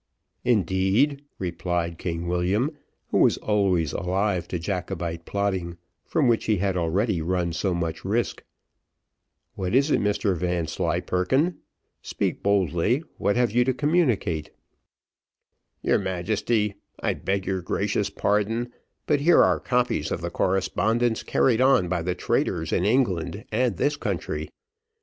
"Indeed!" replied King William, who was always alive to Jacobite plotting, from which he had already run so much risk. "What is it, Mr Vanslyperken? speak boldly what you have to communicate." "Your Majesty, I beg your gracious pardon, but here are copies of the correspondence carried on by the traitors in England and this country.